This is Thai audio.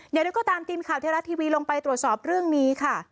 อย่างไรก็ตามทีมข่าวเทวรัฐทีวีลงไปตรวจสอบเรื่องนี้ค่ะ